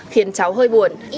khiến cháu hơi buồn